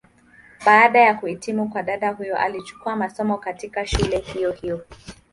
Baada ya kuhitimu kwa dada huyu alichukua masomo, katika shule hiyo hiyo.